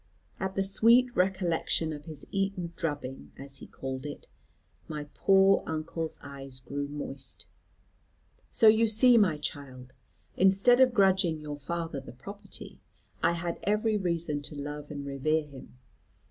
'" At the sweet recollection of his Eton drubbing, as he called it, my poor uncle's eyes grew moist. "So you see, my child, instead of grudging your father the property, I had every reason to love and revere him.